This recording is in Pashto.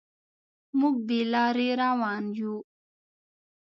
موږ بې لارې روان یو.